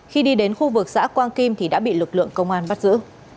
khi đi đến khu vực xã quang kim thì đã bị lực lượng công an bắt giữ